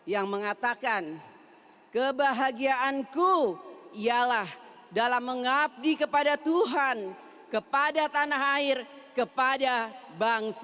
yang mengatakan kebahagiaanku ialah dalam mengabdi kepada tuhan kepada tanah air kepada bangsa